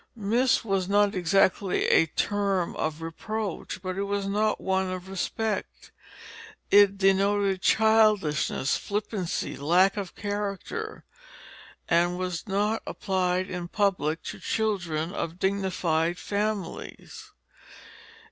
Miss was not exactly a term of reproach, but it was not one of respect. It denoted childishness, flippancy, lack of character, and was not applied in public to children of dignified families.